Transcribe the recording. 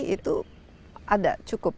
itu ada cukup